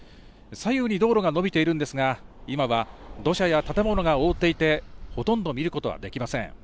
左右に道路が延びているんですが今は土砂や建物が覆っていてほとんど見ることはできません。